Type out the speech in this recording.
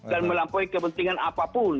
dan melampaui kepentingan apapun